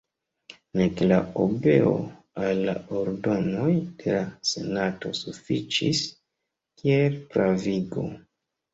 Nek la obeo al la ordonoj de la senato sufiĉis kiel pravigo.